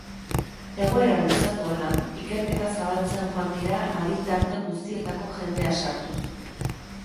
Egoera luzatu ahala, ikerketa zabaltzen joan dira adin-tarte guztietako jendea sartuz.